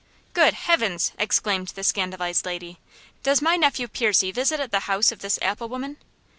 "Good Heavens!" exclaimed the scandalized lady. "Does my nephew Percy visit at the house of this apple woman?"